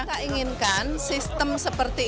kita inginkan sistem seperti